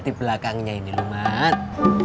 di belakangnya ini mat